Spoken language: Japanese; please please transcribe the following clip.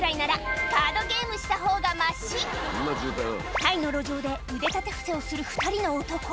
タイの路上で腕立て伏せをする２人の男